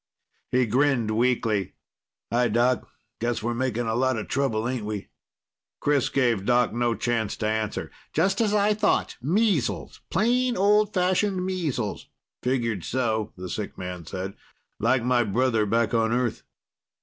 He grinned weakly. "Hi, Doc. I guess we're making a lot of trouble, ain't we?" Chris gave Doc no chance to answer. "Just as I thought. Measles! Plain old fashioned measles." "Figured so," the sick man said. "Like my brother back on Earth."